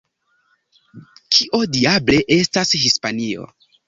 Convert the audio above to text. Kio diable estas Hispanio?